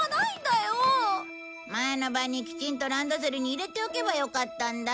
前の晩にきちんとランドセルに入れておけばよかったんだ。